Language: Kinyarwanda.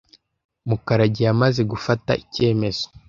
Mukarage yamaze gufata icyemezo.